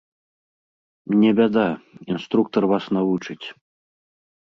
Не бяда, інструктар вас навучыць.